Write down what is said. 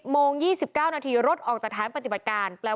โมง๒๙นาทีรถออกจากฐานปฏิบัติการ